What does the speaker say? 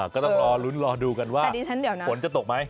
ก็ต้องรอลุ้นรอดูกันว่าฝนจะตกไหม